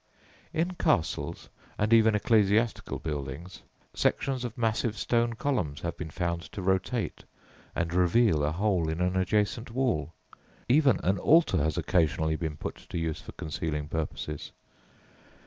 In castles and even ecclesiastical buildings sections of massive stone columns have been found to rotate and reveal a hole in an adjacent wall even an altar has occasionally been put to use for concealing purposes.